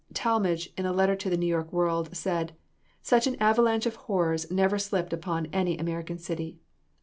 Talmage in a letter to the New York World, said: "Such an avalanche of horrors never slipped upon any American city.